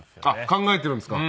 考えてるんですか？